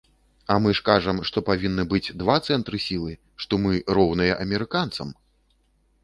А мы ж кажам, што павінны быць два цэнтры сілы, што мы роўныя амерыканцам!